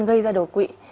gây ra đột quỵ